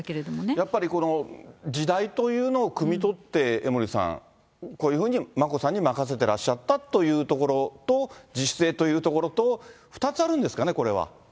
やっぱりこの時代というのをくみ取って、江森さん、こういうふうに眞子さんにまかせてらっしゃったというところと、自主性というところと、２つあるんですかね、これは。